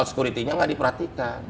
security nya nggak diperhatikan